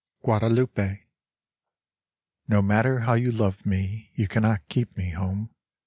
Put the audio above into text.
Guadalupe No matter how you love me You cannot keep me home.